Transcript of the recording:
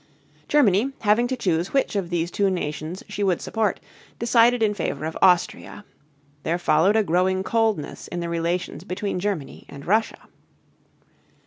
Germany, having to choose which of these two nations she would support, decided in favor of Austria. There followed a growing coldness in the relations between Germany and Russia.